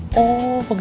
tidak saya mau pergi